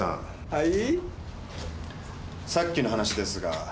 はい？